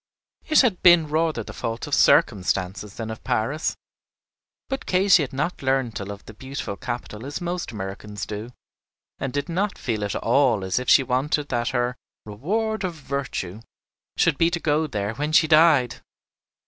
It had been rather the fault of circumstances than of Paris; but Katy had not learned to love the beautiful capital as most Americans do, and did not feel at all as if she wanted that her "reward of virtue" should be to go there when she died!